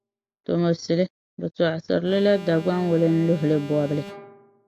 Tomosili, bɛ tͻɣisiri li la Dagbaŋ wulinluhili bͻbili.